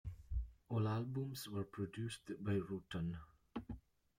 All albums were produced by Rutan.